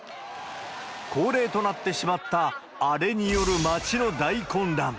恒例となってしまった、アレによる街の大混乱。